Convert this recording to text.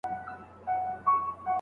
صالحه ميرمن مينه ناک او مهربان زړه لري.